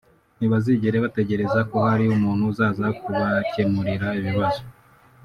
ntibazigere bategereza ko hari umuntu uzaza kubakemurira ibibazo